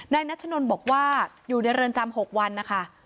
นัชนนบอกว่าอยู่ในเรือนจำ๖วันนะคะ